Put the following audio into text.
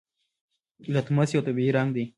لتمس یو طبیعي رنګ دی.